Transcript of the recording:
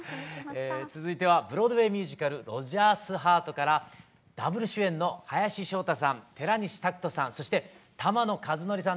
続いてはブロードウェイミュージカル「ロジャース／ハート」からＷ主演の林翔太さん寺西拓人さんそして玉野和紀さんです。